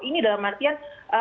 ini dalam artian